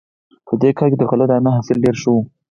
په دې کال کې د غلو دانو حاصل ډېر ښه و